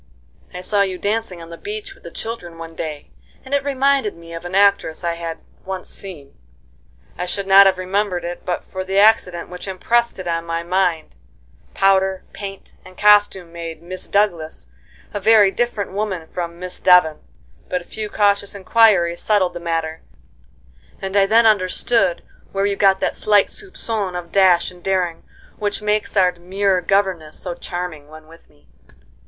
"I saw you dancing on the beach with the children one day, and it reminded me of an actress I had once seen. I should not have remembered it but for the accident which impressed it on my mind. Powder, paint, and costume made 'Miss Douglas' a very different woman from Miss Devon, but a few cautious inquiries settled the matter, and I then understood where you got that slight soupcon of dash and daring which makes our demure governess so charming when with me."